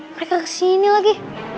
mereka kesini lagi